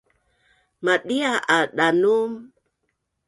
madia a danum